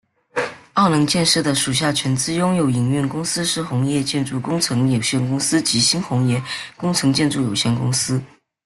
澳能建设的属下全资拥有营运公司是鸿业建筑工程有限公司及新鸿业工程建筑有限公司。